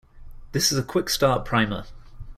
This is a quick start primer.